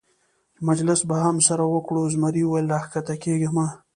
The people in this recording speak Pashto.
مجلس به هم سره وکړو، زمري وویل: را کښته کېږه مه.